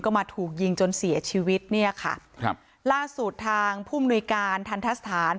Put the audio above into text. ก็มาถูกยิงจนเสียชีวิตเนี่ยค่ะครับล่าสุดทางผู้มนุยการทันทะสถาน